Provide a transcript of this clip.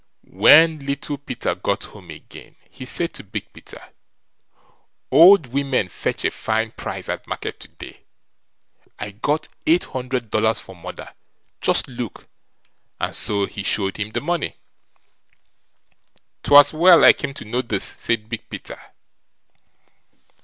When Little Peter got home again, he said to Big Peter: "Old women fetch a fine price at market to day. I got eight hundred dollars for mother; just look", and so he showed him the money. "'Twas well I came to know this", said Big Peter.